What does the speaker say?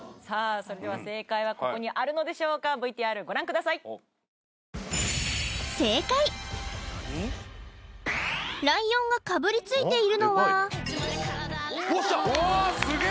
それでは正解はここにあるのでしょうかＶＴＲご覧くださいライオンがかぶりついているのはよっしゃ！わすげえ！